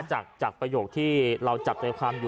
ประโยคที่เราจับใจความอยู่